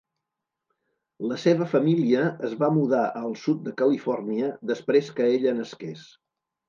La seva família es va mudar al sud de Califòrnia després que ella nasqués.